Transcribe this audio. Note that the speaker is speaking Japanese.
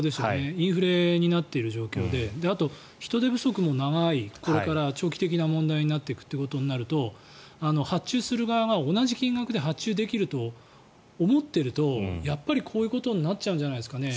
インフレになっている状況であと人手不足も長いこれから長期的な問題になっていくと思うと発注する側が同じ金額で発注できると思ってるとやっぱりこういうことになっちゃうんじゃないですかね。